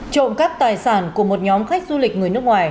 trộm cắp tài sản của một nhóm khách du lịch người nước ngoài